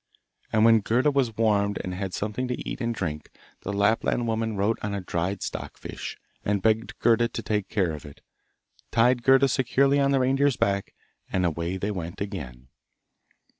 And when Gerda was warmed and had had something to eat and drink, the Lapland woman wrote on a dried stock fish, and begged Gerda to take care of it, tied Gerda securely on the reindeer's back, and away they went again.